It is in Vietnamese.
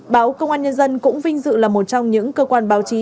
báo công an nhân dân cũng vinh dự là một trong những cơ quan báo chí